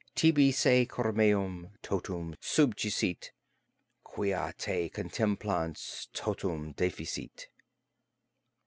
Tibi se cor meum totum subjicit, Quia te contemplans totum deficit.